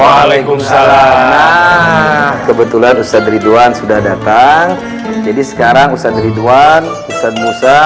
waalaikumsalam kebetulan ustaz ridwan sudah datang jadi sekarang ustaz ridwan ustaz musa